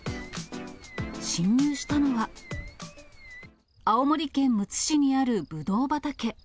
侵入したのは、青森県むつ市にあるブドウ畑。